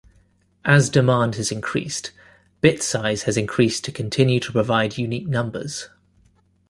As demand has increased, bit size has increased to continue to provide unique numbers.